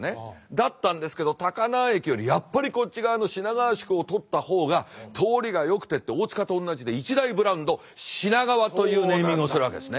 だったんですけど高輪駅よりやっぱりこっち側の品川宿をとった方が通りがよくてって大塚と同じで一大ブランド品川というネーミングをするわけですね。